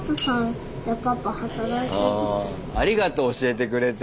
あありがとう教えてくれて。